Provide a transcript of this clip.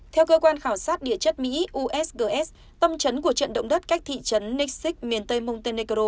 theo cơ quan khảo sát địa chất mỹ usgs tâm trấn của trận động đất cách thị trấn nixich miền tây montenecaro